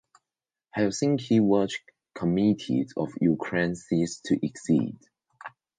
Helsinki Watch Committee of Ukraine ceased to exist.